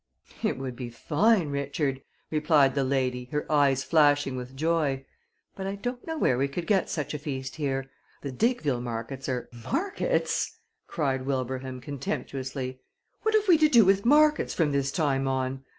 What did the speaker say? "It would be fine, Richard," replied the lady, her eyes flashing with joy, "but I don't know where we could get such a feast here. The Diggville markets are " "Markets?" cried Wilbraham, contemptuously. "What have we to do with markets from this time on?